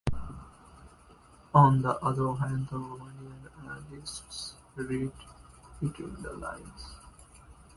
On the other hand Romanian analysts read between the lines.